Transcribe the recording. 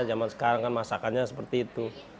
zaman sekarang kan masakannya seperti itu